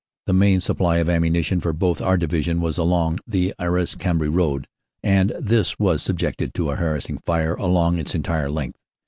The main supply of ammunition for both our Divisions was along the Arras Cambrai road, and this was subjected to a harassing fire along its entire length.